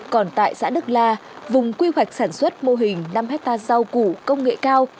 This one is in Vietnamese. còn tại xã đức la vùng quy hoạch sản xuất mô hình năm hectare rau củ công nghệ cao